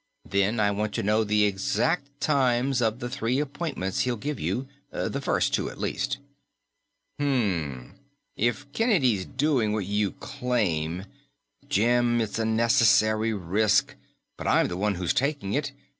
Then I want to know the exact times of the three appointments he'll give you the first two, at least." "Hmmm if Kennedy's doing what you claim " "Jim, it's a necessary risk, but I'm the one who's taking it.